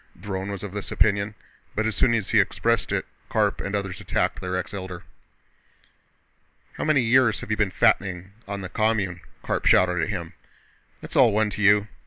Dron was of this opinion, but as soon as he expressed it Karp and others attacked their ex Elder. "How many years have you been fattening on the commune?" Karp shouted at him. "It's all one to you!